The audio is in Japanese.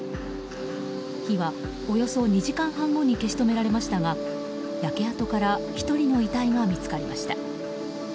火はおよそ２時間半後に消し止められましたが焼け跡から１人の遺体が見つかりました。